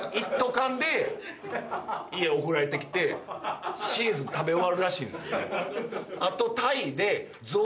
缶で家、送られてきてシーズン食べ終わるらしいんですよ。